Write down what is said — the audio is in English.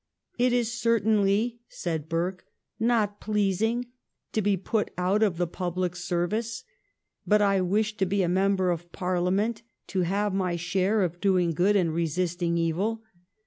" It is certainly," said Burke, " not pleasing to be put out of the public service. But I wish to be a member of Parliament to have my share of doing good and resisting evil.